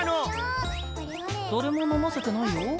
誰も飲ませてないよ。